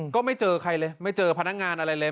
ก็ไม่เจอใครเลยไม่เจอพนักงานอะไรเลย